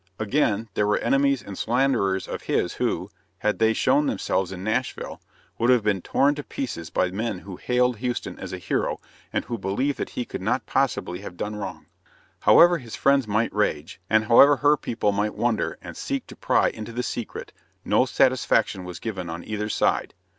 Again, there were enemies and slanderers of his who, had they shown themselves in Nashville, would have been torn to pieces by men who hailed Houston as a hero and who believed that he could not possibly have done wrong. However his friends might rage, and however her people might wonder and seek to pry into the secret, no satisfaction was given on either side.